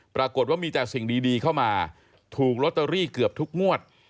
ปรากฏว่ามีแต่สิ่งดีเข้ามาถูกลอตเตอรี่เกือบทุกงวด